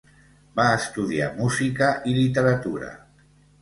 Va estudiar música i literatura.